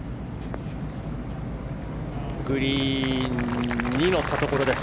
グリーンに乗ったところです。